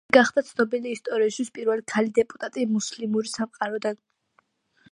ასე გახდა ცნობილი ისტორიისთვის პირველი ქალი დეპუტატი მუსლიმური სამყაროდან.